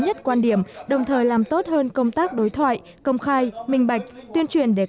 nhất quan điểm đồng thời làm tốt hơn công tác đối thoại công khai minh bạch tuyên truyền để